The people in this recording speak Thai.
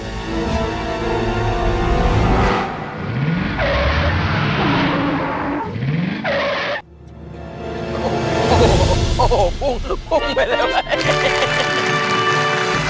โอ้โหพุ่งไปแล้วไง